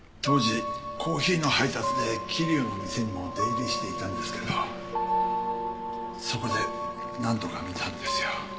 当時コーヒーの配達で桐生の店にも出入りしていたんですけどそこで何度か見たんですよ。